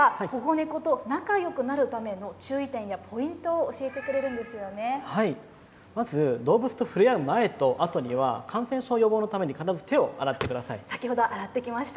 この教室では、保護猫と仲よくなるための注意点やポイントをまず動物と触れ合う前とあとには、感染症予防のために必ず手を洗ってください。